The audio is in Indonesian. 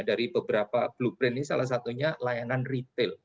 dari beberapa blueprint ini salah satunya layanan retail